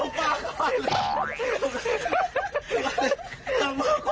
มึงกลับข้าวปากก่อน